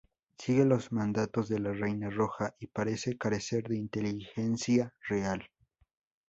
Sigue los mandatos de la Reina Roja y parece carecer de inteligencia real.